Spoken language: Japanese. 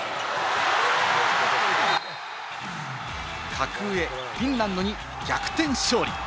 格上・フィンランドに逆転勝利！